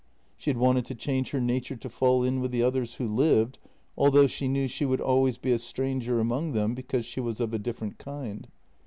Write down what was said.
She had wanted to change her nature to fall in with the others who lived, although she knew she would always be a stranger among them because she was of a different kind.